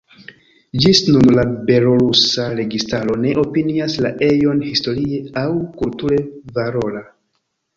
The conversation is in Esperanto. Ĝis nun la belorusa registaro ne opinias la ejon historie aŭ kulture valora.